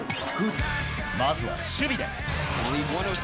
まずは守備で。